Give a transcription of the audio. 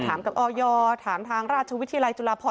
ถามกับออยถามทางราชวิทยาลัยจุฬาพร